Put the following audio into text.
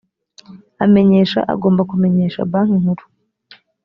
amenyesha agomba kumenyesha banki nkuru